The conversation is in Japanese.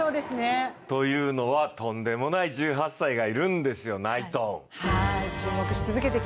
というのはとんでもない１８歳がいるんですよ、ナイトン。